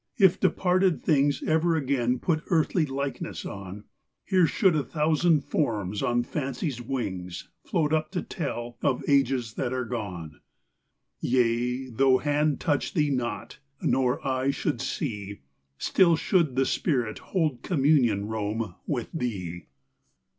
If departed things Ever again put earthly likeness on, Here should a thousand forms on fancy's wings Float up to tell of ages that are gone : Yea though hand touch thee not, nor eye should see, Still should the spirit hold communion, Rome, with thee